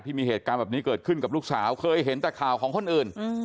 ที่มีเหตุการณ์แบบนี้เกิดขึ้นกับลูกสาวเคยเห็นแต่ข่าวของคนอื่น